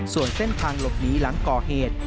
ส่วนเส้นทางหลบหนีหลังก่อเหตุ